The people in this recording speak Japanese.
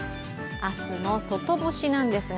明日の外干しなんですが△